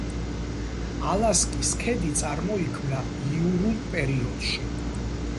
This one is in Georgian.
ალასკის ქედი წარმოიქმნა იურულ პერიოდში.